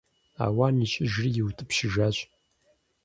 Ауан ищӀыжри иутӀыпщыжащ.